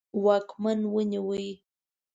واکمن ونیوی.